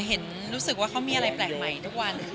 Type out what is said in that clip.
เห็นรู้สึกว่าเขามีอะไรแปลกใหม่ทุกวัน